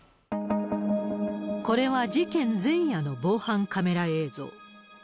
これは事件前夜の防犯カメラ映像。